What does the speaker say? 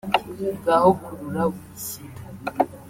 Ngaho kurura wishyira